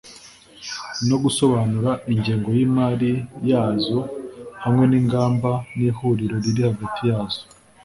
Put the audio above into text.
no gusobanura ingengo y'imari yazo hamwe n'ingamba n'ihuriro riri hagati yazo